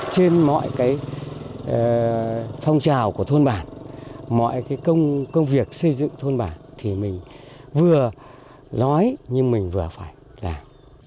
trên mọi cái phong trào của thôn bản mọi cái công việc xây dựng thôn bản thì mình vừa nói như mình vừa phải làm